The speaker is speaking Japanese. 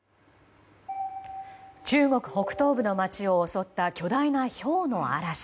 中国北東部の街を襲った巨大なひょうの嵐。